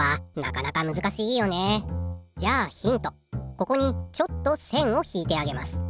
ここにちょっと線を引いてあげます。